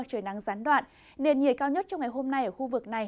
trời nắng gián đoạn nền nhiệt cao nhất trong ngày hôm nay ở khu vực này